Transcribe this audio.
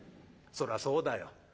そらそうだよ。